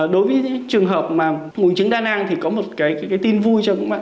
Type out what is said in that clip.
đối với những trường hợp mà nguồn chứng đa nang thì có một cái tin vui cho các bạn